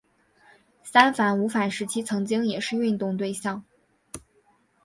三反五反时期曾经也是运动对象。